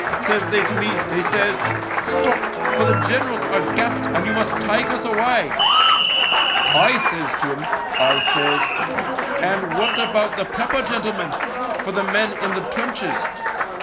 Says they to me, they says, ' Stop, for the generals are gassed and you must take us away.' " I says to 'em, I says, ' And what about the pepper, gentlemen, for the men in the trenches